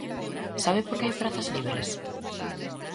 ¿Sabe porque hai prazas libres?